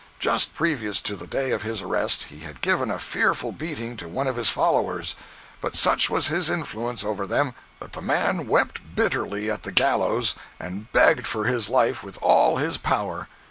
Just previous to the day of his arrest, he had given a fearful beating to one of his followers; but such was his influence over them that the man wept bitterly at the gallows, and begged for his life with all his power.